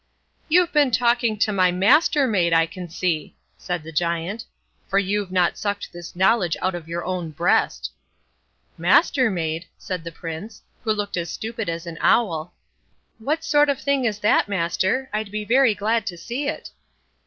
"You've been talking to my Mastermaid, I can see", said the Giant; "for you've not sucked this knowledge out of your own breast." "Mastermaid!" said the Prince, who looked as stupid as an owl, "what sort of thing is that, master? I'd be very glad to see it."